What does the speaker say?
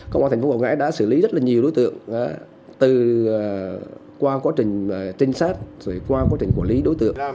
công an tp hcm đã xử lý rất nhiều đối tượng qua quá trình trinh sát qua quá trình quản lý đối tượng